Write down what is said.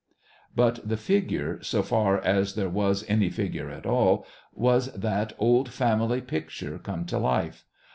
But the figure, so far as there was any figure at all, was that old family picture come to life.